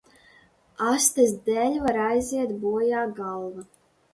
Astes dēļ var aiziet bojā galva.